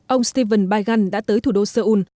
ông steven baigan đã tới thủ đô seoul